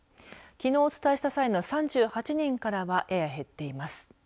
きのうお伝えした際の３８人からはやや減っています。